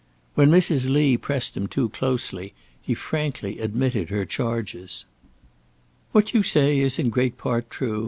When Mrs. Lee pressed him too closely, he frankly admitted her charges. "What you say is in great part true.